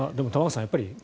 玉川さん